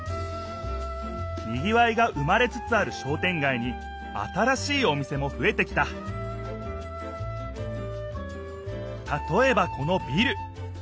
にぎわいが生まれつつある商店街に新しいお店もふえてきたたとえばこのビル。